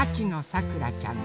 さくらちゃん。